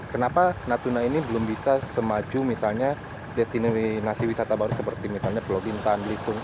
kenapa natuna ini belum bisa semaju misalnya destinasi nasi wisata baru seperti misalnya pelogintan litung